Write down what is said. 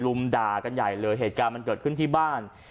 ด่ากันใหญ่เลยเหตุการณ์มันเกิดขึ้นที่บ้าน